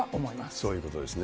そういうことですね。